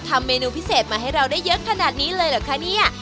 ทำเมนูพิเศษมาให้เราได้เยอะขนาดนี้เลยเหรอคะเนี่ย